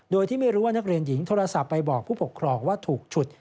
โดยที่ไม่รู้ว่านักเรียนหญิงโทรศัพท์ไปบอกผู้ปกครองว่าถูกฉุด